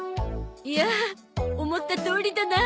いやあ思ったとおりだな。